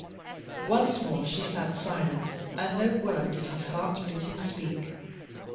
Once more she sat silent, and no word did his heart bid him speak.